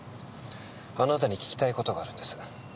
あなたに聞きたい事があるんです。